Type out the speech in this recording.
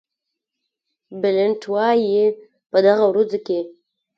بلنټ وایي په دغه ورځو کې.